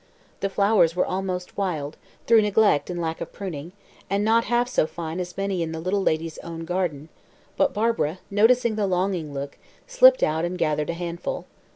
The flowers were almost wild, through neglect and lack of pruning, and not half so fine as many in the little lady's own garden; but Barbara, noticing the longing look, slipped out and gathered a handful.